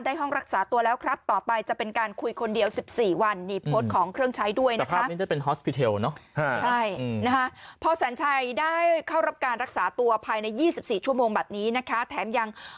ได้ห้องรักษาตัวแล้วครับต่อไปจะเป็นการคุยคนเดียว๑๔วัน